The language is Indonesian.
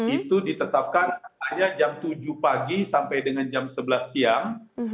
itu ditetapkan hanya jam tujuh pagi sampai dengan jam sebelas siang